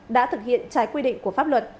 đã thực hiện trái quy định của pháp luật